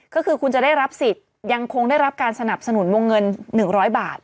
ก็คือคุณจะได้รับสิทธิ์ยังคงได้รับการสนับสนุนวงเงิน๑๐๐บาท